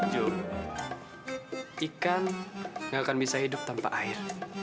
jo ikan ga akan bisa hidup tanpa air